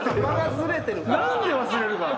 何で忘れるかな？